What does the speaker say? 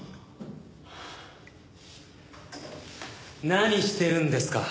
何してるんですか？